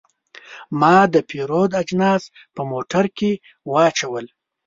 ما د پیرود اجناس په موټر کې واچول.